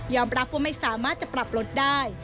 รับว่าไม่สามารถจะปรับลดได้